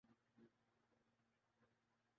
تُم کہ طفلانِ ادب ساتھ لگائے ہُوئے ہو